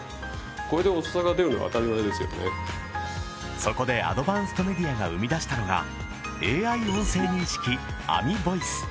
そこでアドバンスト・メディアが生み出したのがＡＩ音声認識